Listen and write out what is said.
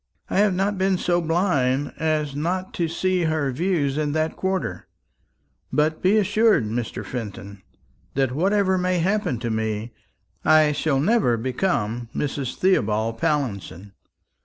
I have not been so blind as not to see her views in that quarter. But be assured, Mr. Fenton, that whatever may happen to me, I shall never become Mrs. Theobald Pallinson."